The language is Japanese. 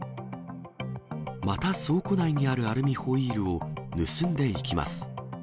また倉庫内にあるアルミホイールを盗んでいきます。